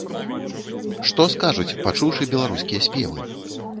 Што скажуць, пачуўшы беларускія спевы?